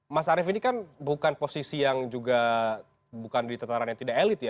mas arief ini kan bukan posisi yang juga bukan di tetaran yang tidak elit ya